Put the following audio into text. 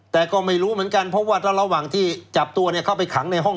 แต่ก็ไม่รู้เหมือนกันเพราะว่าระหว่างที่จับตัวเข้าไปขังในห้อง